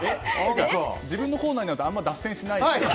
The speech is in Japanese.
自分のコーナーになるとあんまり脱線しない。